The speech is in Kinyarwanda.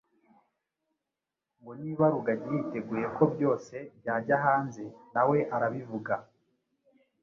ngo niba rugagi yiteguye ko byose byajya hanze nawe arabivuga